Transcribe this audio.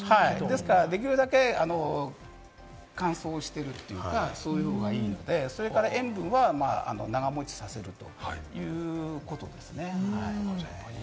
できるだけ乾燥してるというか、そういうのがいいので、それから塩分は長もちさせるということですよね。